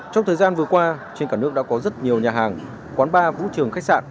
trong thời gian vừa qua trên cả nước đã có rất nhiều nhà hàng quán bar vũ trường khách sạn